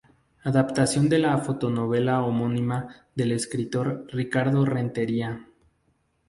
Adaptación de la fotonovela homónima del escritor Ricardo Rentería.